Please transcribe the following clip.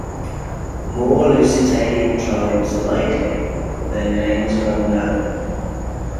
More Lusitanian tribes are likely, but their names are unknown.